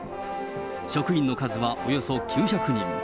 職員の数はおよそ９００人。